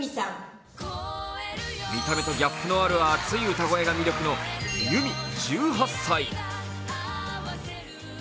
見た目とギャップのある熱い歌声が魅力の結海１８歳。